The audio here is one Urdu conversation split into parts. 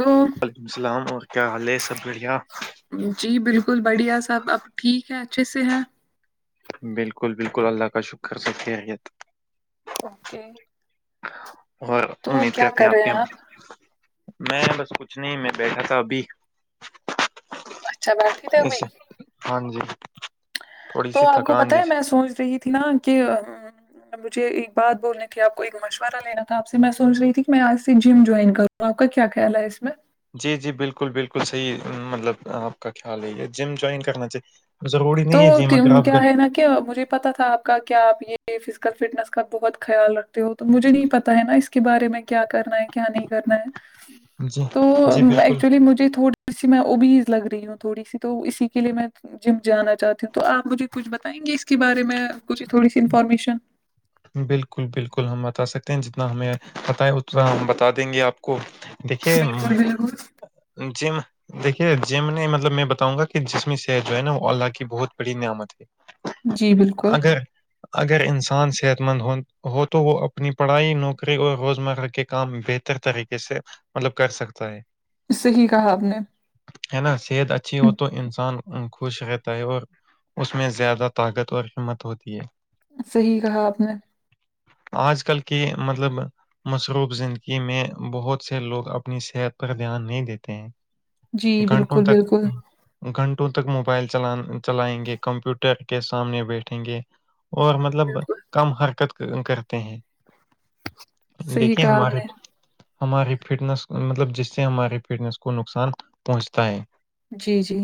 تو وعلیکم السلام اور کیا حال ہے سب بڑھیا جی بالکل بڑھیا صاحب اب ٹھیک ہے اچھے سے ہے بالکل بالکل اللہ کا شکر سب خیریت اوکے اور تو امید کیا کرتے کر ہیں آپ رہے کے ہم میں بس کچھ نہیں میں بیٹھا تھا ابھی اچھا بیٹھی تھے ابھی ایسے ہاں جی تھوڑی تو سی آپ کو تھکان پتا ہے جیسے میں سوچ رہی تھی نا کہ مجھے ایک بات بولنے کی آپ کو ایک مشورہ لینا تھا آ سے میں سوچ رہی تھی کہ میں آج سے جم جوائن کروں تو آپ کا کیا خیال ہے اس میں جی جی بالکل بالکل صحیح مطلب آپ کا خیال ہے یہ جم جوائن کرنا چاہیے ضرورڑی تو نہیں ہے جم اگر تم- آپ گے ہے نا کیا مجھے پتا تھا آپ کا کیا آپ یہ فزیکل فٹنس کا بہت خیال رکھتے ہو تو مجھے نہیں پتا ہے نا اس کے بارے میں کیا کرنا ہے کیا نہیں کرنا ہے جی تو جی بالکل ایکچولی مجھے تھوڑی ج سے میں ابیز لگ رہی ہوں تھوڑی سی تو اسی کے لیے میں جم جانا چاہتی ہیں تو آپ مجھے کچھ بتائیں گے اس کے بارے میں کچھ تھوڑی سی انفارمیشن بالکل بالکل ہم بتا سکتے ہیں جتنا ہمیں بتائے اتنا ہم بتا دیں گے آپ کو دیکھے بالکل بالکل جم دیکھیے جی میں نے مطلب میں بتاؤں گا کہ جسمی صحت جو ہے نا وہ اللہ کی بہت بڑی نعمت ہے جی بالکل اگر اگر انسان صحت مند ہو تو وہ اپنی پڑھائی نوکری اور روزمرہ کے کام بہتر طریقے سے مطلب کر سکتا ہے صحی کہا آپ نے ہے نا صحت اچھی ہو تو انسان خوش رہتا ہے اور اس میں زیادہ طاقت اور ہمت ہوتی ہے صحیح کہا آپ نے آج کل کے مطلب مصروف زندگی میں بہت سے لوگ اپنی صحت پر دھیان نہیں دیتے ہیں جی گھنٹوں بالکل تک بالکل گھنٹوں تک موبائل چلان چلائیں گے کمپیوٹر کے سامنے بیٹھیں گے اور مطلب بالکل کم حرکت کرتے ہیں صحیح دیکھیے کہا آپ ہمارے نے ہماراری فٹنس مطلب جس سے ہمارے فٹنس کو نقصان پہنچتا ہے جی جی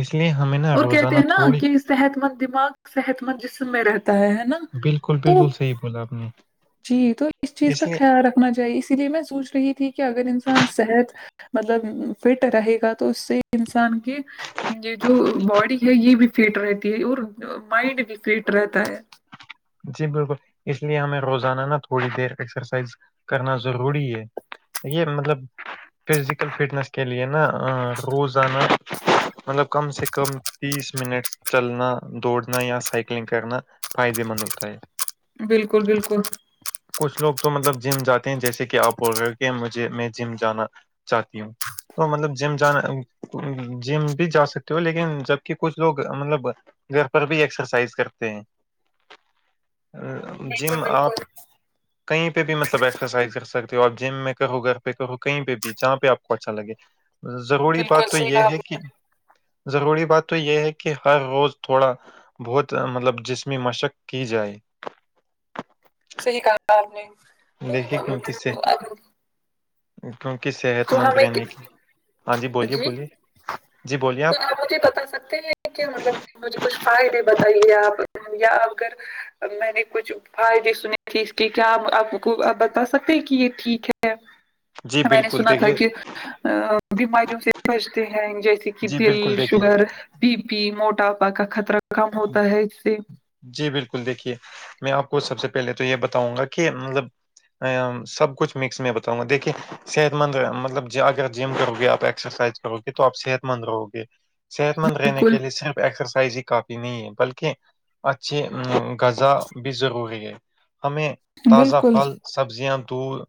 اس لیے ہمیں نا اور کہتے روزانہ ہیں نا تھوڑی کہ صحت مند دماغ صحت مند جسم میں رہتا ہے ہے نا بالکل تو بالکل صحیح بولا آپ نے جی تو اس چیز کا خیال رکھنا چاہیے اسی لیے میں سوچ رہی تھی کہ اگر انسان صحت مطلب فٹ رہے گا تو اس سے انسان کی یہ جو باڈی ہے یہ بھی فٹ رہتی ہے اور مائنڈ بھی فٹ رہتا ہے جی بالکل اس لیے ہمیں روزانہ نا تھوڑی دیر ایکسرسائز کرنا ضروری ہے یہ مطلب فزیکل فٹنس کے لے نا روزانہ مطلب کم سے کم تیس منٹ چلنا دوڑنا یا سائیکلنگ کرنا فائدے مند ہوتا ہے بالکل بالکل کچھ لوگ تو مطلب جم جاتے ہیں جیسے کہ آپ بول کہ مجھے میں جم جانا چاہتی ہوں تو مطلب جم جانا جم بھی جا سکتے ہو لیکن جبک کچھ لوگ مطلب گھر پر بھی ایکسرسائز کرتے ہیں بالکل جم آپ بالکل کہیں پہ بھی مطلب ایکسرسائز کر سکتے ہو آپ جم میں کہرو گھر پہ کہرو کہیں پہ بھی جہاں پہ آپ کو اچھا لگے ضروری بات بالکل تو صحیح یہ کہا آپ ہے نے کہ ضروری بات تو یہ ہے کہ ہر روز تھوڑا بہت مطلب جسمی مشق کی جائے صحیح کہا آپ نے دیکھیے کیونک تو کیونک صحت تو مند ہمیں رہنے کی ہاں بولیے جی بولیے جی بولیے تو آپ کیاآپ مجھے بتا سکتے ہیں مطلب مجھے کچھ فائدے بتائیے آپ یا اگر میں نے کچھ فائ بھی سنے تھے اس کے کیا آپ کوپ بتا سکتے ہیں کہ یہ ٹھیک ہے ا [unintelligible] جی بالکل دیکھیے بیماریوں سے بچتے ہیں جیسے کہ جی دل بالکل دیکھیے شوگر بی پی موٹاپا کا خطرہ کم ہوتا ہے اس سے جی بالکل دیکھیے میں آپ کو سب سے پہلے تو یہ بتاؤں گا کہ مطلب سب کچھ مکس میں بتاؤں گا دیکھیے صحت مند مطلب اگر جم کرو گے آپ ایکسرسائز کرو گے تو آپ صحت مند رہو گے صحت مند رہنے بالکل کے لیے صرف ایکسرسائز ہی کافی نہیں ہے بلکہ اچھھی غذا بھی ضروری ہے ہمیں تازہ بالکل پھل سبزیاں دودھ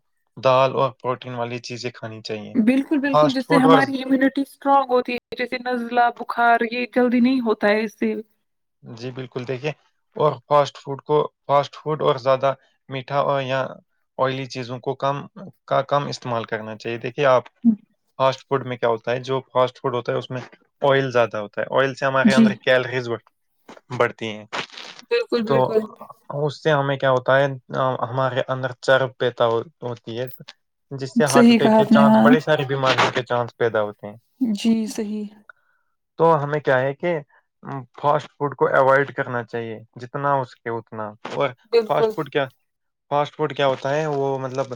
دال اور پروٹین والی چیزیں کھانی چاہیے بالکل بالکل فاسٹ جس سے فوڈ اور ہماری امیونٹی اسٹرانگ ہوتی ہے جیسے نزلہ بخار یہ جلدی نہیں ہوتا ہے اس سے جی بالکل دیکھیے اور فاسٹ فوڈ کو فاسٹ فوڈ اور زیادہ میٹھا اور یا آئلی چیزوں کو کم کا کم استعمال کرنا چاہیے دیکھیے آپ فاسٹ فوڈ میں کیا ہوتا ہے جو فاسٹ فوڈ ہوتا ہے اس میں آئل زیادہ ہوتا ہے آئل سے ہمارے جی اندر کیلریز بڑھتی ہیں بالکل تو بالکل اس سے ہمیں کیا ہوتا ہے ہمارے اندر چرب پتا ہوتی ہے جس سے ہارٹ صحیح اٹیک کہا کے آپ نے چانس ہاں بڑی ساری بیماریوں کے چانس پیدا ہوتے ہیں جی صحیح تو ہمیں کیا ہے کہ فس فوڈ کو اوائڈ کرنا چاہیے جتنا ہو سکے اتنا اور بالکل فاسٹ فوڈ کیا فاسٹ فوڈ کیا ہوتا ہے وہ مطلب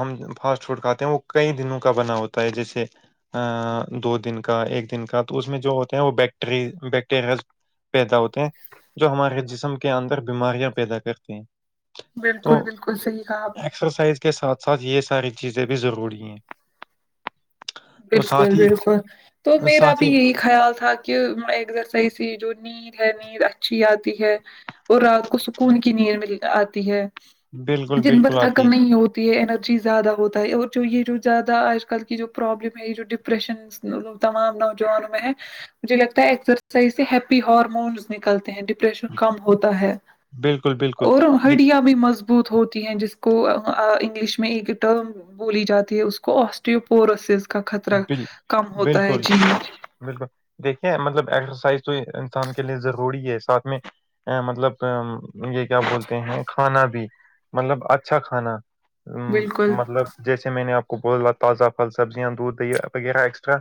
ہم فاسٹ فوڈ کھاتے ہیں وہ کئی دنوں کا بنا ہوتا ہے جیسے دو دن کا ایک دن کا تو اس میں جو ہوتے ہیں وہ بیکٹری بیکٹیریل پیدا ہوتے ہیں جو ہمارے جسم کے اندر بیماریاں پیدا کرتی ہیں تو بالکل بالکل صحیح کہا آپ نے ایکسرسائز کے ساتھ ساتھ یہ ساری چیزیں بھی ضروری ہیں تو بالکل ساتھ ہی بالکل تو میرا ساتھ ہی بھی خیال تھا کہ ایک در صحیح سی جو نید ہے نیند اچھی آتی ہے اور رات کو سکون کی نیند مل آتی ہے بالکل دن بھر بالکل آتی تھکم نہیں ہوتی ہے انرجی زیادہ ہوتا ہے اور جو یہ جو زیادہ آج کل کی جو پروابلم ہے یہ جو ڈپریشن تمام نوجوانوں میں ہے مجھے لگتا ہے ایکسرسائز سے ہیپی ہارمونس نکلتے ہیں ڈریشن کم ہوتا ہے بالکل بالکل اور دیکھیے ہڈیا بھی مضبو بت ہوتی ہیں جس کو انگلش میں ایک ٹرم بولی جاتی ہے اس کو آسٹو پورسز کا خطرہ بال کم ہوتا ہے بالکل جی بالکل دیکھیے مطلب ایکسرسائز تو انسان کے لیے ضروری ہے ساتھ میں مطلب یہ کیا بولتے ہیں کھانا بھی مطلب اچھا کھانا ا بالکل مطلب جیسے میں نے آپ کو بولا تازہ پھل سبزیاں دودھ وغیرہ ایکسٹرا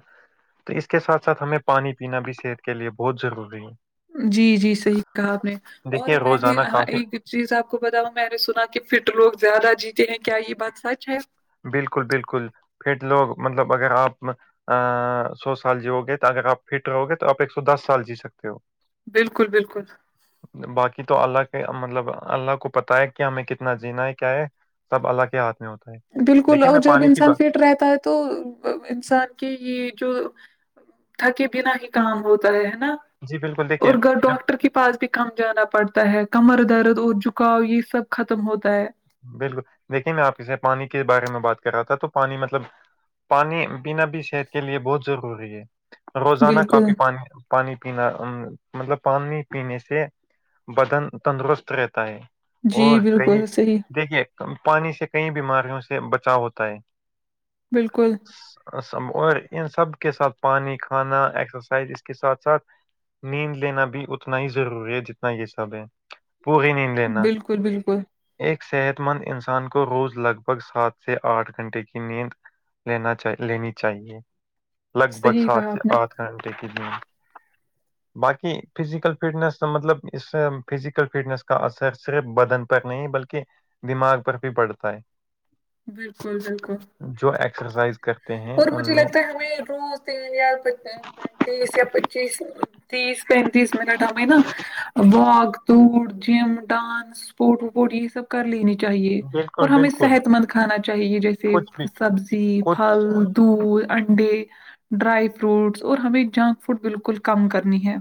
تو اس کے ساتھ ساتھ ہمیں پانی پینا بھی صحت کے لیے بہت ضروری ہے جی جی صحیح کہا آپ نے اور دیکھیے میں نے روزانہ کافی ایک چیز آپ کو بتاؤ میں نے سنا کہ فٹ لوگ زیادہ جیتے ہیں کیا یہ بات سچ ہے بالکل بالکل پھر لوگ مطلب اگر آپ ا سو سال جیؤ گے اگر آپ فٹ رہو گے تو آپ ایک سو دس سال جی سکتے ہو بالکل بالکل باقی تو اللہ کے مطلب اللہ کو پتاہ ہے کہ ہمیں کتنا جینا ہے کیا ہے سب اللہ کے ہاتھ میں ہوتا ہے بالکل دیکھیے میں اور جب پانی کی انسان بات فٹ رہتا ہے تو انسان کے یہ جو تھکے بنا ہی کام ہوتا ہے ہے نا جی بالکل دیکھیے اور گھر میں ڈاکٹر کی پاس بھی کم جانا پڑتا ہے کمر درد اور جھکاؤ یہ سب ختم ہوتا ہے بالکل دیکھیے میں آپ کے سے پانی کے بارے میں بات کر رہا تھا تو پانی مطلب پانی پینا بھی صحت کے لیے بہت ضروری ہے روزانہ بالکل کافی پانی پانی پینا مطلب پانی پینے سے بدن تندرست رہتا ہے جی اور کہئی بالکل صحیح دیکھیے پانی سے کئی بیماریوں سے بچاؤ ہوتا ہے بالکل اور ان سب کے ساتھ پانی کھانا ایکسرسائز اس کے ساتھ ساتھ نیند لینا بھی اتنا ہی ضروری ہے جتنا یہ سب ہے پوری نیند لینا بالکل بالکل ایک صحت مند انسان کو روز لگ بھگ سات سے آٹھ گھنٹے کی نیند لینا چا لینی چاہیے لگ بھگ صحیح سات کہا سے آپ نے آٹھ گھنٹے کی د باقی فزیکل فٹنس مطلب اس فزیکل فٹنس کا اثر صرف بدن پر نہیں بلکہ کے دماغ پر بھی پڑتا ہے بالکل بالکل جو ایککسرسائز کر اور مجھے لگتا ہے ہمیں روز [inaudible] تیس یا پچیس تیس پینتیس منٹ ہمیں نا واک دور جم ڈانسپورٹ وپورٹ یہ سب کر لینی چاہیے بالکل اور ہمیں بالکل صحت مند کھانا چاہیے جیسے کچھ بھی سبزی کچھ پھل دودھ انڈے ڈرائی فروٹس اور ہمیں جنک فوڈ بالکل کم کرنی ہے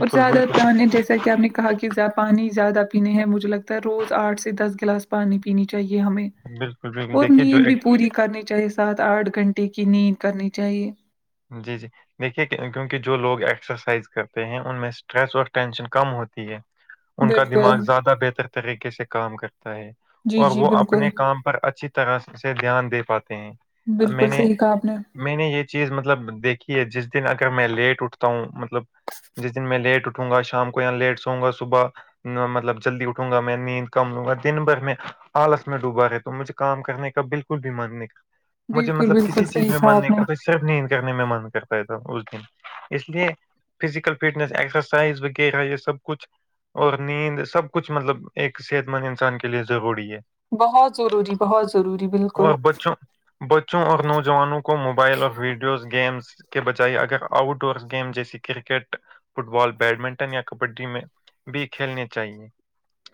اور بالکل زیادہ پانی جیسے سر کیا ہم نے کہا کہ پانی زیادہ پینے ہے مجھے لگتا ہے روز آٹھ سے دس گلاس پانی پینی چاہیے ہمیں بالکل بالل اور نیند بھی پوری کرنی چاہیے سات آٹھ گھنٹے کی نیند کرنی چاہیے جی جی دیکھیے کیونکہ جو لوگ ایکسرسائز کرتے ہیں ان میں اسٹریس اور ٹینشن کم ہوتی ہے ان کا بالکل دماغ زیادہ بہتر طریقے سے کام کرتا ہے جی اور جی وہ بالکل اپنے کام پر اچھی طرح سے دھیان دے پاتے ہیں میں بالکل نے صحیح کہا اپ نے میں نے یہ چیز مطلب دیکھی ہے جس دن اگر میں لیٹ اٹھتا ہوں مطلب جس دن میں لیٹ اٹھوں گا شام کو یہاں لیٹ سووں گا صبح مطلب جلدی اٹھوں گا میں نیند کم لوں گا دن بھر میں آلس میں ڈوبا ہے تو مجھے کام کرنے کا بالکل بھی ماننے کا مجھے بالکل مطلب بالکل کسی چیز صحیح میں کہا آپ ماننے نے کا تو صرف نہیں کرنے میں من کرتا ہے تھا اس دن اس لیے فزیکل فٹنیس ایکسرسائز وغیرہ یہ سب کچھ اور نیند سب کچھ مطلب ایک صحت مند انسان کے لیے ضروری ہے بہت ضروری بہت ضروری بالکل اور بچوں بچوں اور نوجوانوں کو موبائل اور ویڈیو ز گیمس کے بجائے اگر آؤٹ ڈور گیم جیسے کرکٹ فٹ بال بیڈمنٹن یا کبڈی میں بھی کھیلنے چاہیے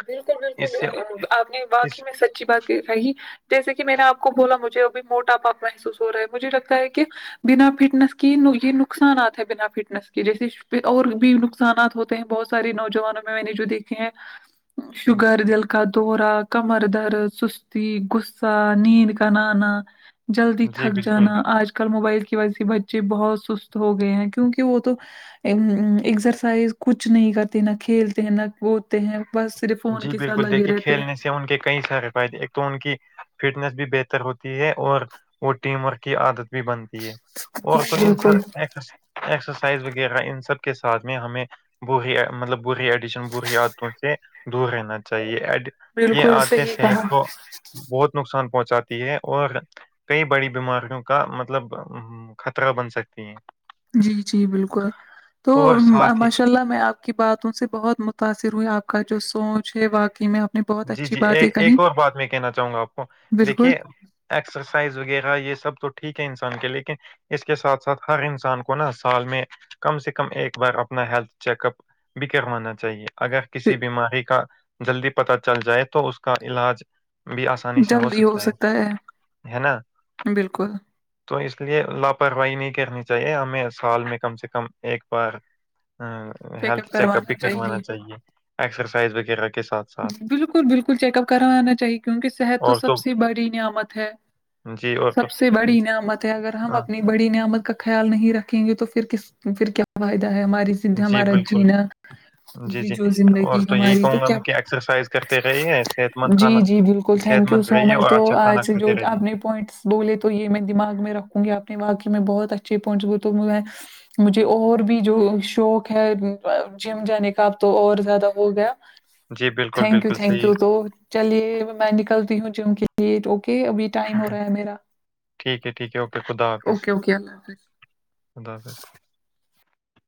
بالکل اس سے بالکل آپ نے باقی اس میں سچ اچ بات کر رہی جیسے کہ میں نے آپ کو بولا مجھے ابھی موٹا پاپ محسوس ہو رہا ہے مجھے لگتا ہے کہ بنا فٹنس کی یہ نقصانات ہے بنا فٹنس کے جیسے اور بھی نقصانات ہوتے بہت سارے نوجوانوں میں میں نے جو دیکھے ہیں شوگر دل کا دوہرا کمر درد سستی غصہ نیند کانانا جلدی جی تھک بالکل جانا آج کل موبائل کی وجہ سے بچے بہت سست ہو گئے ہیں کیونکہ وہ تو ا ایکسرسائز کچھ نہیں کرتے نہ کھیلتے ہیں نہ بولتے ہیں بس صرف فون جی کے ساتھ بالکل لگے دیکھیے رہتے ہیں کھیلنے سے ان کے کئی سارے فائدے تو ان کی فٹنیس بھی بہتر ہوتی ہے اور وہ ٹیم ورک کی عادت بھی بنتی ہے اور تو ان سب بالکل ایک اسرسائز وغیرہ ان سب کے ساتھ میں ہمیں بے مطلب برے ایڈیشن برے عادتوں سے دور رہنا چاہیے ایڈ یہ بالکل آتےیں صحیح کہا صحت کو بہت نقصان پہنچاتی ہے اور کئی بڑی بیماریوں کا مطلب خطرہ بن سکتی ہیں جی جی بالکل تو اور ساتھ ہی ماشاء اللہ میں آپ کی باتوں سے بہت متاثر ہوئی آپ کا جو سوچ ہے واقعی میں نے بہت جی اچھی جی باتیں ایک کہی ایک اور بات میں کہنا چاہوں گا آپ کو بالکل دیکھیے ایکسرسائز وغیرہ یہ سب تو ٹھیک ہے انسان کے لیکن اس کے ساتھ ساتھ ہر انسان کو نا سال میں کم سے کم ایک بار اپنا ہیلتھ چیک اپ بھی کروانا چاہیے اگر کسی بیماری کا جلدی پت چل جائے تو اس کا علاج بھی آسانی سے ہو سکتا ہے ہے نا بالکل تو اس لیے لاپرواہی نہیں کرنی چاہیے ہمیں سال میں کم سے کم ایک بار ہیلتھ چیک اپ بھی کروانا چاہیے ایکسرسائز وغیرہ کے ساتھ ساتھ بالکل بالکل چیک اپ کروانا چاہیے کیونکہ صحت تو سب سے بڑی نعمت ہے جی اور تو سب سے بڑی نعامت ہے اگر ہم ہاں اپنی بڑی نعمت کا خیال نہیں رکھیں گے تو پھر کس پھر کیا فائدہ ہے ہماری جی ہمارا بالکل، جینا جی، جی جو اور زندگی یہی ہماری تو کہوں گا کیا میں کہ ایکسرسائز کر جی جی بالکل صحت تھینک یو مند سو رہیے مچ اور تو اچھا آج کھانا سے جو کھاتے رہیے۔ آپ نے پوائنٹس بولے تو یہ میں دماغ میں رکھوں گی اپنے واقعی میں بہت اچھے پوائنٹس بول تو مجھے اور بھی جو شوق ہے جم جانے کا اب تو اور زیادہ ہو گیا جی، بالکل، تھینک یو بالکل تھینک صحیح، یو تو چلیے میں نکلتی ہوں جم کے لیے اوکے ابھی ٹائم ہو رہا ہے میرا ٹھیک ہے، ٹھیک ہے، اوکے، خدا حافظ، اوکے اوکے اللہ حافظ خدا حافظ